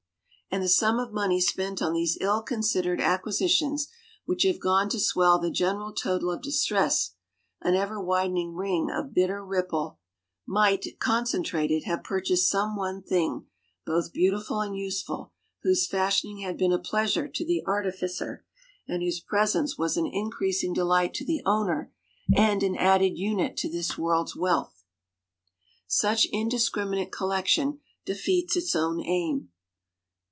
And the sum of money spent on these ill considered acquisitions which have gone to swell the general total of distress, an ever widening ring of bitter ripple, might, concentrated, have purchased some one thing, both beautiful and useful, whose fashioning had been a pleasure to the artificer, and whose presence was an increasing delight to the owner and an added unit to this world's real wealth. Such indiscriminate collection defeats its own aim.